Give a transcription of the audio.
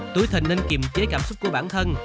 tuổi thành nên kiềm chế cảm xúc của bản thân